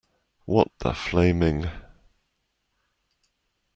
What the flaming.